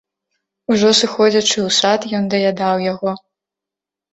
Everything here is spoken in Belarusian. Ужо сыходзячы ў сад, ён даядаў яго.